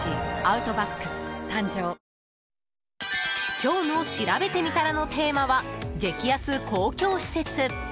今日のしらべてみたらのテーマは、激安公共施設。